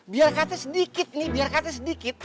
biar katanya sedikit nih biar katanya sedikit